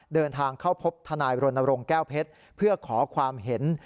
เดินทางเข้าพบทนายรณรงค์แก้วเพชรเพื่อขอความเห็น